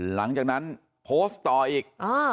หลังจากนั้นโพสต์ต่ออีก